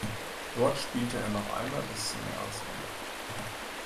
Dort spielte er noch einmal bis zum Jahresende.